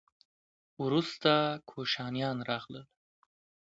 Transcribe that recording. وروسته کوشانیان راغلل